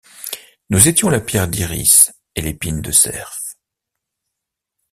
Nous étions la pierre-d'iris et l'épine-de-cerf.